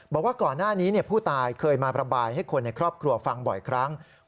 บอกว่าก่อนหน้านี้ผู้ตายเคยมาประบายให้คนในครอบครัวฟังบ่อยครั้ง